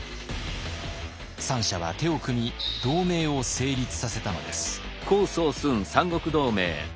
三者は手を組み同盟を成立させたのです。